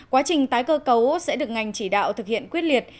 quá trình tái cơ cấu sẽ được ngành chỉ đạo thực hiện quyết liệt